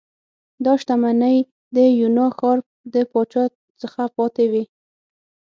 دا شتمنۍ د یونا ښار د پاچا څخه پاتې وې